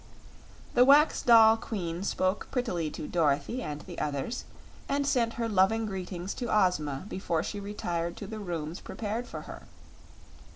The wax doll Queen spoke prettily to Dorothy and the others, and sent her loving greetings to Ozma before she retired to the rooms prepared for her.